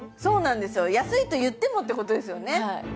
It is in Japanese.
そうなんですよ安いと言ってもっていうことですよね